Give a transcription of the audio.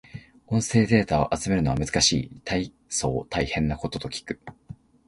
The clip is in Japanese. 音声データを集めるのは難しい。大層大変なことと聞く。